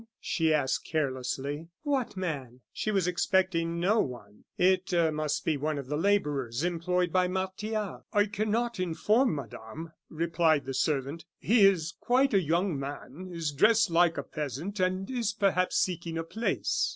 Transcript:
she asked, carelessly; "what man?" She was expecting no one; it must be one of the laborers employed by Martial. "I cannot inform Madame," replied the servant. "He is quite a young man; is dressed like a peasant, and is perhaps, seeking a place."